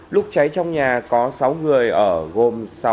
lúc cháy trong nhà có sáu người ở gồm sáu người